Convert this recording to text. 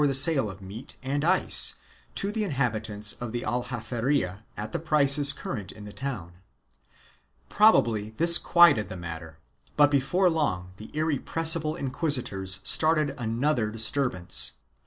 Ill] SALT AND BAKE OVEN 391 the sale of meat and ice to the inhabitants of the Aljaferia at the prices current in the town.1 Probably this quieted the matter, but before long the irre pressible inquisitors started another disturbance.